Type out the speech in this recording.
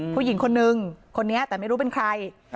ผู้หญิงคนนึงคนนี้แต่ไม่รู้เป็นใคร